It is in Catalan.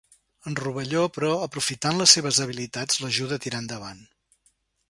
En Rovelló, però, aprofitant les seves habilitats, l'ajuda a tirar endavant.